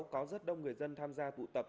có rất đông người dân tham gia tụ tập